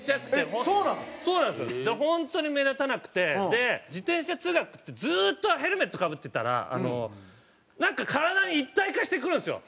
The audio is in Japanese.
で自転車通学ってずっとヘルメットかぶってたらなんか体に一体化してくるんですよ。